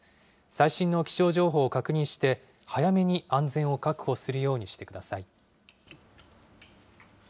最新の気象情報を確認して、早めに安全を確保するようにしてください。